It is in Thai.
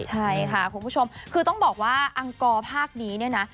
ใช่ค่ะคุณผู้ชมคือต้องบอกว่าอังกรภาคนี้เนี่ยนะ